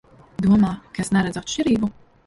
Domā, ka es neredzu atšķirību?